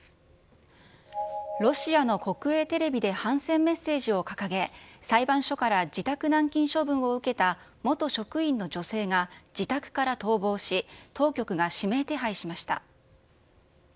ロシアの国営テレビで反戦メッセージを掲げ、裁判所から自宅軟禁処分を受けた、元職員の女性が自宅から逃亡し、当局が指名手配しました。